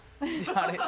「あれ？」